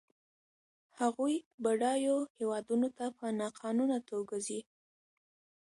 هغوی بډایو هېوادونو ته په ناقانونه توګه ځي.